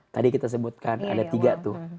tadi kita sebutkan ada tiga tuh